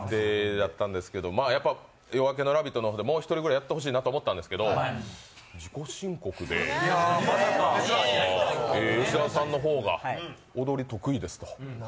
やっぱり「夜明けのラヴィット！」でもう１人ぐらいやってほしいなと思ったんですけど自己申告で吉澤さんの方が踊り得意ですか。